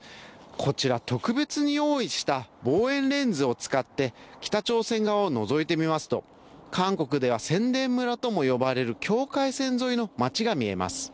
こちら特別に用意した望遠レンズを使って北朝鮮側をのぞいてみますと韓国では宣伝村とも呼ばれる境界線沿いの街が見えます。